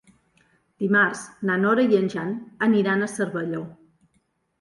Dimarts na Nora i en Jan aniran a Cervelló.